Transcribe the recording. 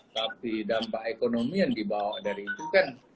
tapi dampak ekonomi yang dibawa dari itu kan